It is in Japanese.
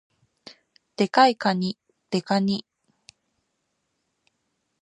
デカいかに、デカニ